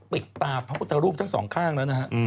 ปิดตาพระพุทธรูปทั้งสองข้างแล้วนะฮะ